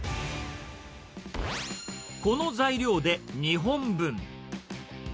この材料で２本分。